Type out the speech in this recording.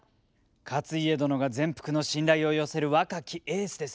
勝家殿が全幅の信頼を寄せる若きエースですね。